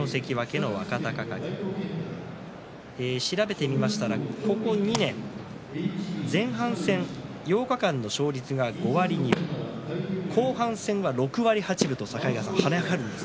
調べてみましたら、ここ２年前半戦８日間の勝率が５割２分後半戦は６割８分とはね上がります。